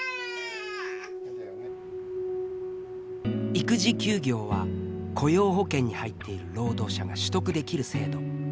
育児休業は雇用保険に入っている労働者が取得できる制度。